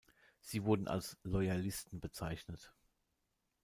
Sie wurden als "Loyalisten" bezeichnet.